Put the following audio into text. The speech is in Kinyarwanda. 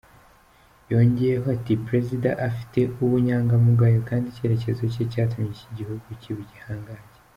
Yongeyeho ati “Perezida afite ubunyangamugayo kandi icyerekezo cye cyatumye iki gihugu kiba igihangange.